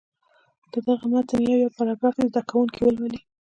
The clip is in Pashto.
د دغه متن یو یو پاراګراف دې زده کوونکي ولولي.